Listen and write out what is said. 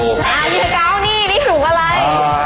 เงี้ยเกาะนี่ดีดูอะไร